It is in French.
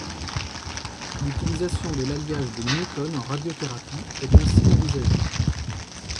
L’utilisation de l'alliage de Newton en radiothérapie est ainsi envisagée.